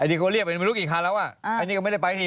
อันนี้ก็เรียบไปแต่ไม่รู้กี่ครั้งแล้วก็อันนี้ก็ไม่ได้ไปอันนี้